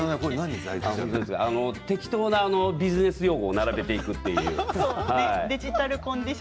適当なビジネス用語を並べていくという。